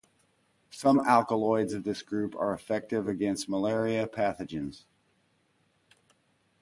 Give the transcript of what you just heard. Some alkaloids of this group are effective against malaria pathogens.